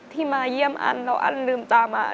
มาเยี่ยมอันแล้วอันลืมตามา